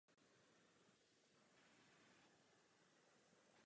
Tento požadavek zatím nebyl zařazen do politického programu.